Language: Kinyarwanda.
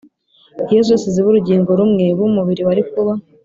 Iyo zose ziba urugingo rumwe b umubiri wari kuba